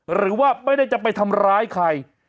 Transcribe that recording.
หรือว่าไม่ได้จะไปทำร้ายใคร